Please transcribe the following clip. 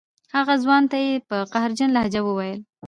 هغه ځوان ته یې په قهرجنه لهجه وویل.